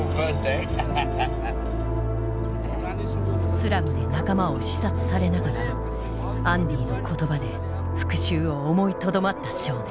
スラムで仲間を刺殺されながらアンディの言葉で復讐を思いとどまった少年。